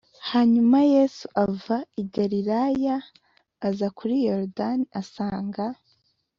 hanyuma yesu ava i galilaya y aza kuri yorodani asanga